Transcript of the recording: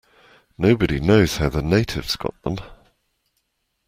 Nobody knows how the natives got them.